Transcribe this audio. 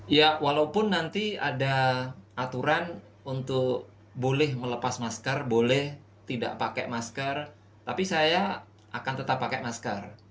ya walaupun nanti ada aturan untuk boleh melepas masker boleh tidak pakai masker tapi saya akan tetap pakai masker